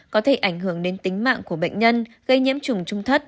có thể ảnh hưởng đến tính mạng của bệnh nhân gây nhiễm trùng trung thất